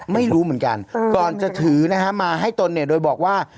ไม่รู้เหมือนกันก่อนจะถือนะฮะมาให้ตนเนี่ยโดยบอกว่า